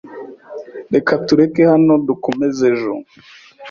Reka tureke hano dukomeze ejo.